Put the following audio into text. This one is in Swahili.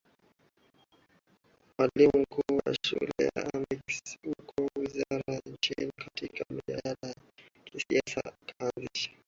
mwalimu mkuu wa shule ya Axim Huko alianza kushiriki katika majadiliano ya kisiasa akaanzisha